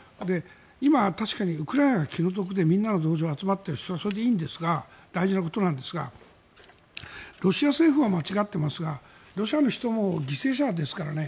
今は確かにウクライナが気の毒でみんなの同情が集まっていてそれはいいんですが大事なことなんですがロシア政府は間違っていますがロシアの人も犠牲者ですからね。